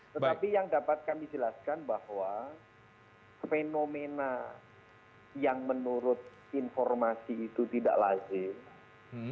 tetapi yang dapat kami jelaskan bahwa fenomena yang menurut informasi itu tidak lazim